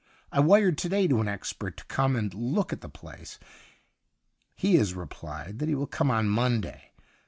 I wired to day to an expert to come and look at the place ; he has i eplied that he will come on Monday.